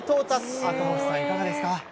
赤星さん、いかがですか？